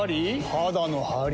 肌のハリ？